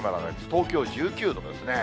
東京１９度ですね。